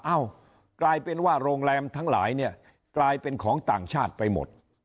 กลายเป็นว่าโรงแรมทั้งหลายเนี่ยกลายเป็นของต่างชาติไปหมด